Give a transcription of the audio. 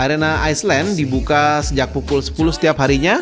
arena iceland dibuka sejak pukul sepuluh setiap harinya